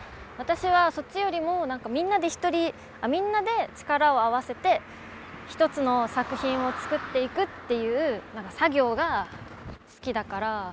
私はそっちよりも何かみんなでみんなで力を合わせて一つの作品を作っていくっていう作業が好きだから。